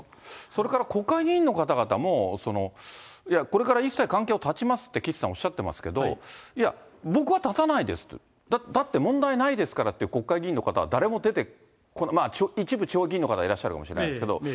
それから国会議員の方々も、これから一切関係を断ちますって岸さん、おっしゃってますけど、いや、僕は断たないですと、だって問題ないですからって、国会議員の方は誰も出て、一部地方議員の方、いらっしゃるかもしれないですけど。